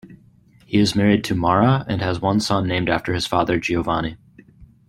He is married to Mara and has one son named after his father Giovanni.